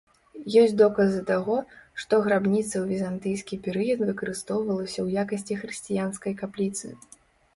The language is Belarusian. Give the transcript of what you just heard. Ёсць доказы таго, што грабніца ў візантыйскі перыяд выкарыстоўвалася ў якасці хрысціянскай капліцы.